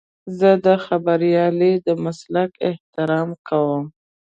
زه د خبریالۍ د مسلک احترام کوم.